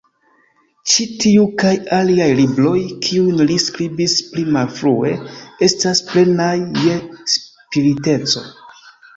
Ĉi tiu kaj aliaj libroj, kiujn li skribis pli malfrue, estas plenaj je spiriteco.